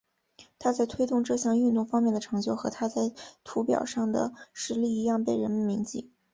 他在推动这项运动方面的成就和他在土俵上的实力一样被人们铭记。